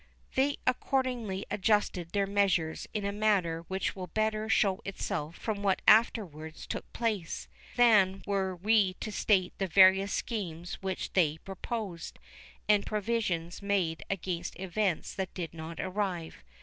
They accordingly adjusted their measures in a manner which will better show itself from what afterwards took place, than were we to state the various schemes which they proposed, and provisions made against events that did not arrive.